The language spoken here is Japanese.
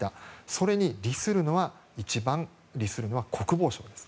それに一番利するのは国防省です。